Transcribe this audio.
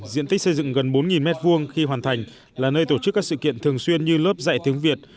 diện tích xây dựng gần bốn m hai khi hoàn thành là nơi tổ chức các sự kiện thường xuyên như lớp dạy tiếng việt